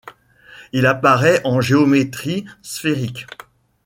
Il apparait en géométrie sphérique.